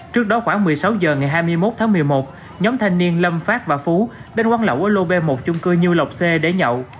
trước đó khoảng một mươi sáu h ngày hai mươi một tháng một mươi một nhóm thanh niên lâm phát và phú đến quán lẩu ở lô b một chung cư như lộc c để nhậu